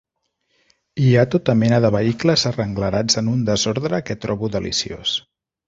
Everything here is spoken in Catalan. Hi ha tota mena de vehicles arrenglerats en un desordre que trobo deliciós.